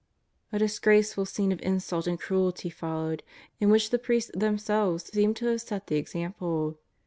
^' A disgraceful scene of insult and cruelty followed, in which the priests themselves seem to have set the example.